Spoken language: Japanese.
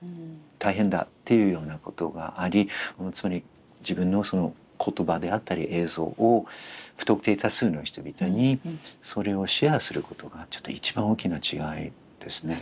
「大変だ」っていうようなことがありつまり自分の言葉であったり映像を不特定多数の人々にそれをシェアすることが一番大きな違いですね。